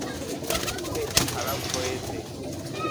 পেট খারাপ হয়েছে।